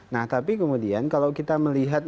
nah tapi kemudian kalau kita melihat